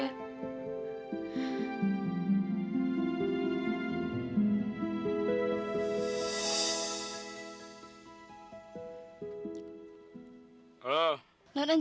aku bener bener kehilangan dia